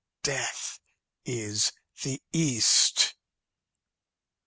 "Death is the east."